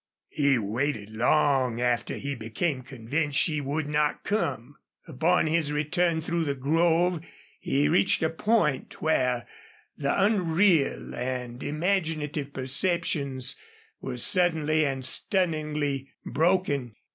He waited long after he became convinced she would not come. Upon his return through the grove he reached a point where the unreal and imaginative perceptions were suddenly and stunningly broken.